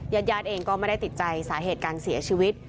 ญาติญาติเองก็ไม่ได้ติดใจสาเหตุการเสียชีวิต